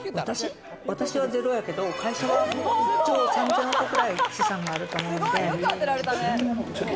私は０やけど、会社は１兆３０００億くらい資産があると思うんで。